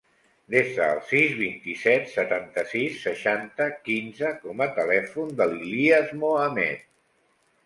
Desa el sis, vint-i-set, setanta-sis, seixanta, quinze com a telèfon de l'Ilías Mohamed.